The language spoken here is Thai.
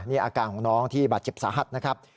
นี่อาการของน้องที่บาดเจ็บสาหัสนะครับ